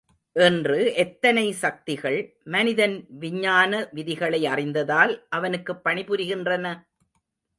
இன்று எத்தனை சக்திகள் மனிதன் விஞ்ஞான விதிகளை அறிந்ததால் அவனுக்குப் பணி புரிகின்றன?